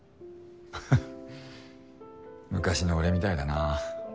ハハッ昔の俺みたいだな。